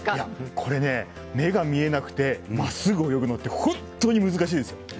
これね、目が見えなくてまっすぐ泳ぐのって本当に難しいですよ。